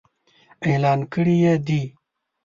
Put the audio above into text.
اعلان کړي يې دي.